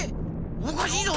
おかしいぞ。